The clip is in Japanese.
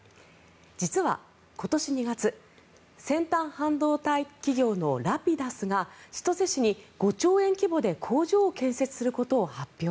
実は今年２月先端半導体企業のラピダスが千歳市に５兆円規模で工場を建設することを発表。